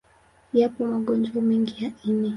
Yapo magonjwa mengi ya ini.